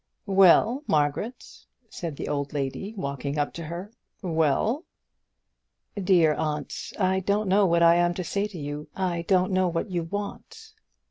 "Well, Margaret," said the old lady, walking up to her; "well?" "Dear aunt, I don't know what I am to say to you. I don't know what you want."